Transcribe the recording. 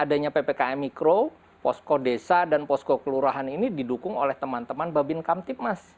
adanya ppkm mikro posko desa dan posko kelurahan ini didukung oleh teman teman babin kamtip mas